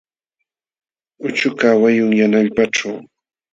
Uchukaq wayun yana allpaćhu.